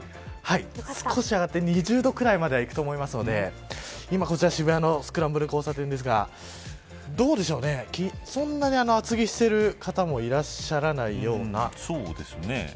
少し上がって２０度ぐらいまではいくと思うので今、こちら渋谷のスクランブル交差点ですがそんなに厚着している方もいらっしゃらないような。